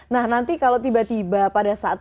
nah nanti kalau tiba tiba pada saat